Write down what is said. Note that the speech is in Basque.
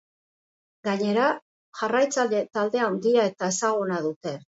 Gainera, jarraitzaile talde handia eta ezaguna dute.